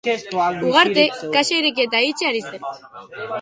Ugarte kaxa ireki eta itxi ari zen.